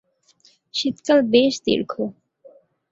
শীতকাল বেশ দীর্ঘ।